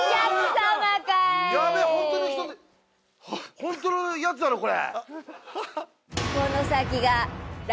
本当のやつだろ、これ。